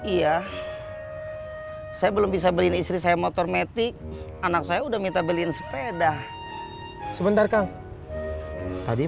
iya saya belum bisa beliin istri saya motor metik anak saya udah minta beliin sepeda sebentar kang tadi